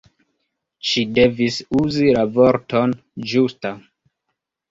Ŝi devis uzi la vorton ĝusta.